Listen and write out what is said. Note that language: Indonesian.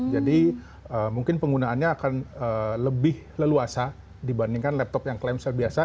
jadi mungkin penggunaannya akan lebih leluasa dibandingkan laptop yang clamshell biasa